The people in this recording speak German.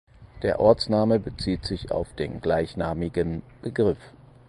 Der Ortsname bezieht sich auf den gleichnamigen Begriff.